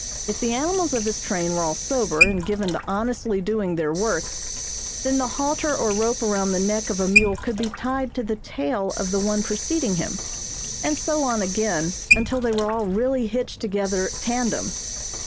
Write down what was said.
If the animals of his train were all sober and given to honestly doing their work, then the halter or rope around the neck of a mule could be tied to the tail of the one preceding him, and so on again until they were all really hitched together tandem.